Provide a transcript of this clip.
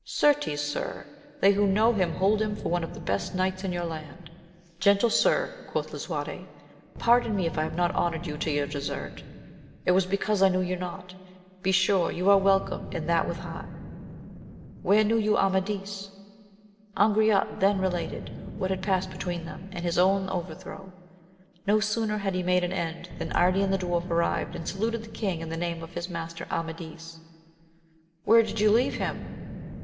— Certes, sir, they who know him hold him^ for one of the best knights in your land. Gentle sir, quoth Lisuarte, pardon me if I have not honoured you to your desert : it was because I knew you not ; besure you are welcome, and that with heart. Where knew you Amadis ] Angriote then related what had passed between them, and his own overthrow. No sooner had he made an end, than Ardian the dwarf arrived, and saluted the king in the name of his master Amadis. — Where did you leave him ?